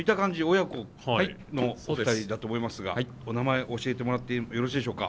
親子のお二人だと思いますがお名前教えてもらってよろしいでしょうか？